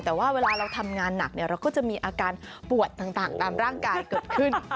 แต่ว่าเวลาเราทำงานหนักเราก็จะมีอาการปวดต่างตามร่างกายเกิดขึ้น